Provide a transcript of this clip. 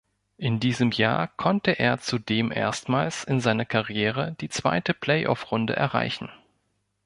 In diesem Jahr konnte er zudem erstmals in seiner Karriere die zweite Play-off-Runde erreichen.